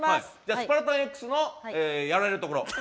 「スパルタンＸ」やられるところ。